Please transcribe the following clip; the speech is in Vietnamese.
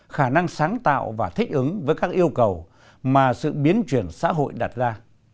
khả năng sáng tạo và thích ứng với các yêu cầu mà sự biến chuyển xã hội đặt ra